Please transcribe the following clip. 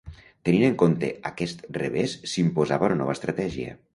Tenint en compte aquest revés s'imposava una nova estratègia.